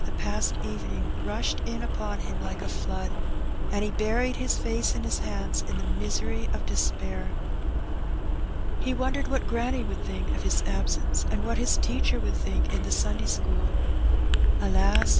the past evening rushed in upon him like a flood, and he buried his fiice in his hands in the misery of despair. He wondered what granny would think of his absence, and what his teacher would think in the Sunday school. AJas!